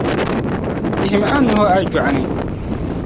Yihimi a nuhi a jɔɣu ni.